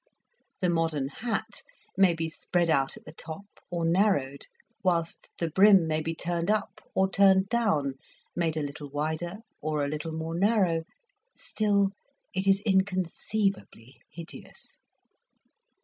The modern hat may be spread out at the top, or narrowed, whilst the brim may be turned up or turned down, made a little wider or a little more narrow, still it is inconceivably hideous.